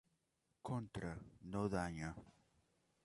Contra: no daña.